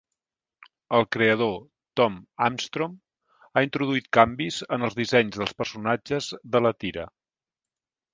El creador, Tom Armstrong, ha introduït canvis en els dissenys dels personatges de la tira.